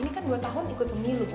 ini kan dua tahun ikut miluh ibu